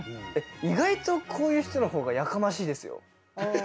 意外とこういう人の方がやかましいですよ。